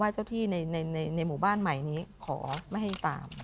เจ้าที่ในหมู่บ้านใหม่นี้ขอไม่ให้ตาม